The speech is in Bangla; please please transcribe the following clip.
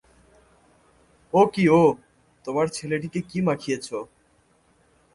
ও কী ও, তোমার ছেলেটিকে কী মাখিয়েছ।